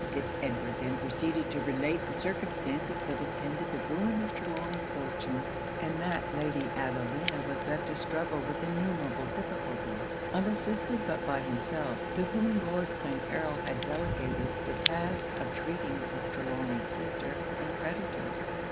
Fitz Edward then proceeded to relate the circumstances that attended the ruin of Trelawny's fortune; and that Lady Adelina was left to struggle with innumerable difficulties, unassisted but by himself, to whom Lord Clancarryl had delegated the task of treating with Trelawny's sister and creditors.